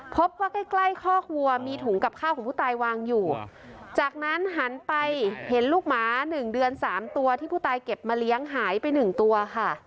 พบว่าใกล้ใกล้คอกวัวมีถุงกับข้าวของผู้ตายวางอยู่จากนั้นหันไปเห็นลูกหมา๑เดือน๓ตัวที่ผู้ตายเก็บมาเลี้ยงหายไปหนึ่งตัวค่ะ